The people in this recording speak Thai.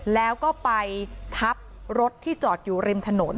แล้วก็ไปทับรถที่จอดอยู่ริมถนน